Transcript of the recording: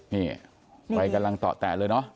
นี่ไฟกำลังต่อแตะเลยเนอะ